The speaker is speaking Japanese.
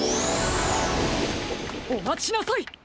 おまちなさい！